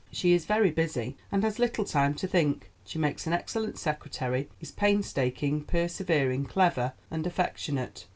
She is very busy, and has little time to think. She makes an excellent secretary; is painstaking, persevering, clever, and affectionate.